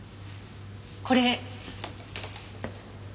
これ。